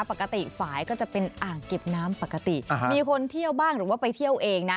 ปกติฝ่ายก็จะเป็นอ่างเก็บน้ำปกติมีคนเที่ยวบ้างหรือว่าไปเที่ยวเองนะ